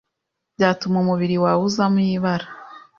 byatuma umubiri wawe uzamo ibara